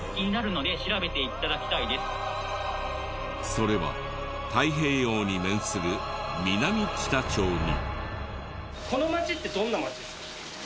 それは太平洋に面する南知多町に。